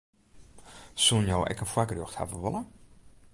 Soenen jo ek in foargerjocht hawwe wolle?